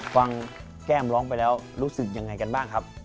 แก้มร้องไปแล้วรู้สึกยังไงกันบ้างครับ